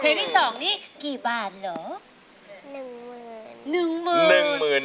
ที่๒นี่กี่บาทเหรอ